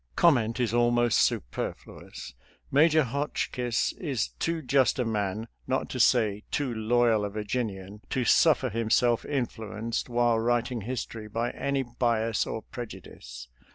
Comment is almost superfluous. Major Hotch kiss is too just a man, not to say too loyal a Virginian, to suffer himself influenced while writing history by any bias or prejudice.